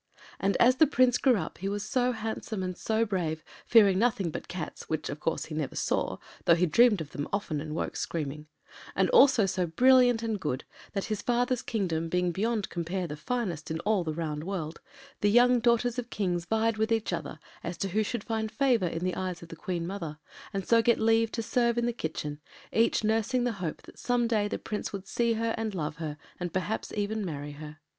And as the Prince grew up he was so handsome and so brave, fearing nothing but cats, which, of course, he never saw, though he dreamed of them often and woke screaming, and also so brilliant and good, that, his father’s kingdom, being beyond compare the finest in all the round world, the young daughters of Kings vied with each other as to who should find favour in the eyes of the Queen Mother, and so get leave to serve in the kitchen, each nursing the hope that some day the Prince would see her and love her, and perhaps even marry her.